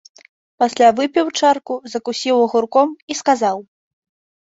Пасля выпіў чарку, закусіў агурком і сказаў.